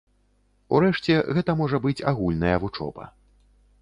Урэшце гэта можа быць агульная вучоба.